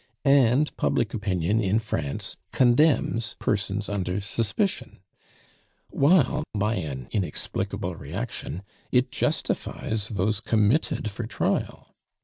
And public opinion in France condemns persons under suspicion, while, by an inexplicable reaction, it justifies those committed for trial.